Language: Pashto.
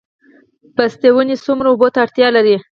د پستې ونې څومره اوبو ته اړتیا لري؟